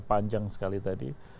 panjang sekali tadi